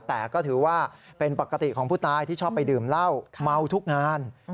แต่ก็ถือว่าเป็นปกติของผู้ตายที่ชอบไปดื่มเหล้าเมาทุกงาน